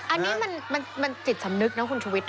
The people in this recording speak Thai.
อันนี้มันจิตสำนึกนะคุณชุวิต